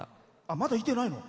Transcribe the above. まだ、射てないの。